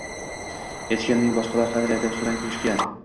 hech kimning boshqalar qadriyati ustidan kulishga